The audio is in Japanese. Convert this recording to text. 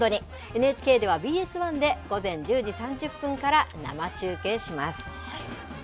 ＮＨＫではＢＳ１で、午前１０時３０分から生中継します。